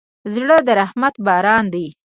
زړه د رحمت باران دی.